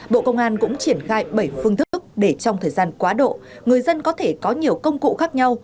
bộ công an cũng triển khai bảy phương thức để trong thời gian quá độ người dân có thể có nhiều công cụ khác nhau